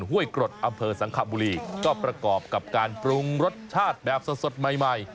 ห้วยกรดอำเภอสังขบุรีก็ประกอบกับการปรุงรสชาติแบบสดใหม่ใหม่